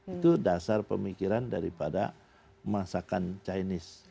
itu dasar pemikiran daripada masakan chinese